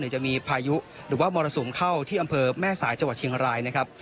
จะมีพายุหรือว่ามรสุมเข้าที่อำเภอแม่สายจังหวัดเชียงรายนะครับ